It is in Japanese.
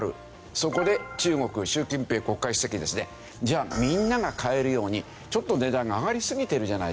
そこで中国習近平国家主席ですねじゃあみんなが買えるようにちょっと値段が上がりすぎてるじゃないか。